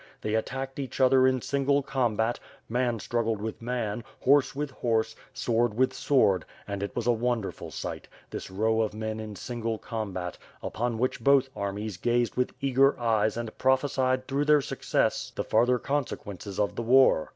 They attacked each other in single combat, man struggled with man, horse with horse, sword with sword and it was a wonderful sight, this row of men in single combat, upon which both armies gazed with eager eyes and prophesied through their success the farther consequences of the war.